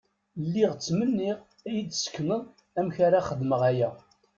Lliɣ ttmenniɣ ad yi-d-sekneḍ amek ara xedmeɣ aya.